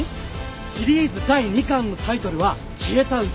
シリーズ第２巻のタイトルは『消えたウサギを追え！』。